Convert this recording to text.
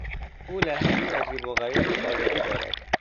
او لهجهای عجیب و غریب خارجی دارد.